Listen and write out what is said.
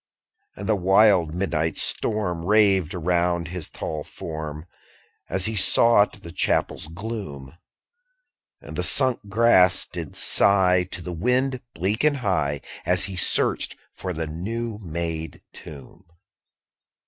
11. And the wild midnight storm Raved around his tall form, _60 As he sought the chapel's gloom: And the sunk grass did sigh To the wind, bleak and high, As he searched for the new made tomb.